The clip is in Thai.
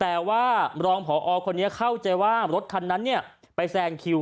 แต่ว่าผู้ค่อยจะคิดว่าเหตุความทรงภคนนั้นไปแซงคิว